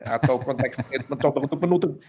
atau konteks ini mencontoh untuk penutup